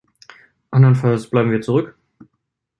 Andernfalls bleiben wir zurück.